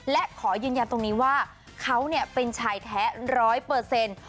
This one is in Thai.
และขอยืนยันตรงนี้ว่าเขาเนี่ยเป็นชายแท้ร้อยเปอร์เซ็นต์